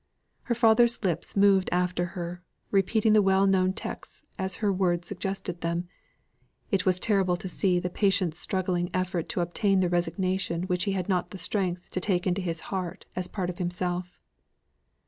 Her father's lips moved after her, repeating the well known texts as her words suggested them; it was terrible to see the patient struggling effort to obtain the resignation which he had not strength to take into his heart as part of himself.